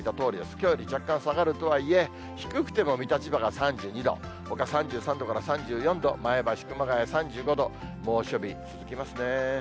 きょうより若干下がるとはいえ、低くても水戸、千葉が３２度、ほか３３度から３４度、前橋、熊谷３５度、猛暑日続きますね。